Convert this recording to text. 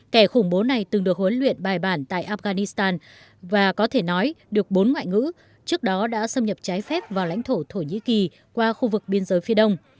kẻ khủng bố này từng được huấn luyện bài bản tại afghanistan và có thể nói được bốn ngoại ngữ trước đó đã xâm nhập trái phép vào lãnh thổ thổ nhĩ kỳ qua khu vực biên giới phía đông